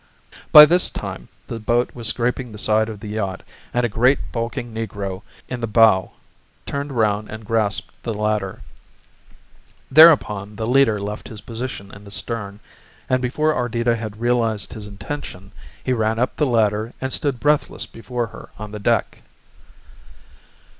By this time the boat was scraping the side of the yacht and a great bulking negro in the bow turned round and grasped the ladder. Thereupon the leader left his position in the stern and before Ardita had realized his intention he ran up the ladder and stood breathless before her on the deck.